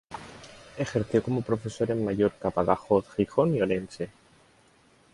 Ejerció como profesor en Mallorca, Badajoz, Gijón y Orense.